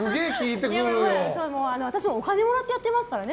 私、お金もらってやっていますからね。